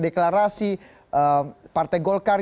deklarasi partai golkar